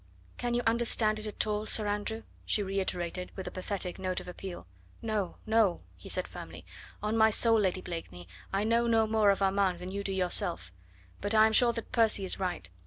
"Can you understand it all, Sir Andrew?" she reiterated with a pathetic note of appeal. "No, no!" he said firmly. "On my soul, Lady Blakeney, I know no more of Armand than you do yourself. But I am sure that Percy is right.